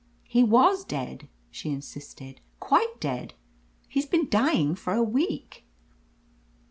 " 'He was dead,' she insisted. 'Quite dead. He's been dying for a week.'